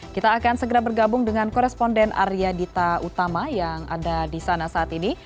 kita akan segera bergabung dengan koresponden arya dita utama yang ada di sana saat ini